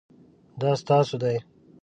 دا ستاسو دی؟